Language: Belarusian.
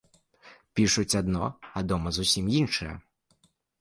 Пішуць адно, а дома зусім іншае.